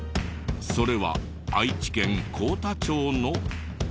それは愛知県幸田町の。